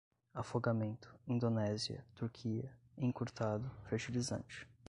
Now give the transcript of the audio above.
afogamento, Indonésia, Turquia, encurtado, fertilizante